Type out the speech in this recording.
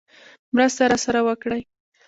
مرسته راسره وکړي.